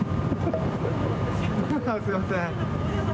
すみません。